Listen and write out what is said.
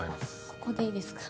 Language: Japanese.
ここでいいですか？